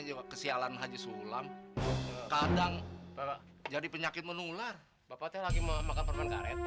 juga kesialan haji sulam kadang jadi penyakit menular bapaknya lagi mau makan perban karet